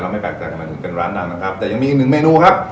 แล้วไม่แปลกแต่ว่าเป็นร้านหนังนะครับแต่ยังมีอีก๑เมนูครับ